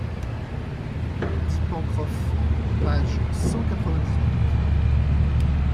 dit Pencroff. Page cent quatre-vingt-dix-huit.